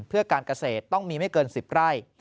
เพื่อการเกษตรต้องมีไม่เกิน๑๐ไร่